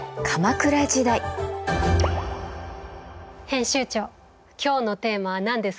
編集長今日のテーマは何ですか？